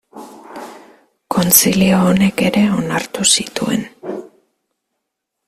Kontzilio honek ere onartu zituen.